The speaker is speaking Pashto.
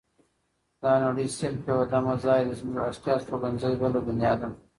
دا نړۍ صرف یو دمه ځای دی زمونږ اصلي استوګنځای بله دنیا ده.